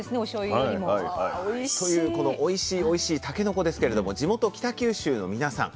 というこのおいしいおいしいたけのこですけれども地元北九州の皆さん